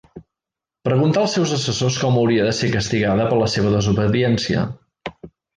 Preguntà als seus assessors com hauria de ser castigada per la seva desobediència.